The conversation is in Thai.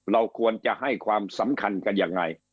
เราควรจะให้ความสำคัญกันยังไง